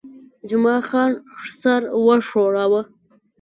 جمعه خان سر وښوراوه.